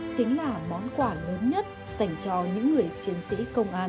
chính là món quà lớn nhất dành cho những người chiến sĩ công an